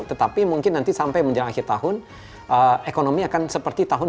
tetapi mungkin nanti sampai menjelang akhir tahun ekonomi akan seperti tahun dua ribu dua puluh